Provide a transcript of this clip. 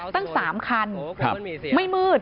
ตั้ง๓คันไม่มืด